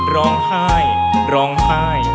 ร้องไห้ร้องไห้